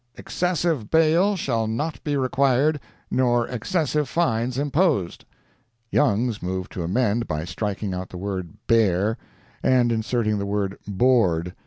Excessive bail shall not be required, nor excessive fines imposed." Youngs moved to amend by striking out the word "bair'l" and inserting the word "board."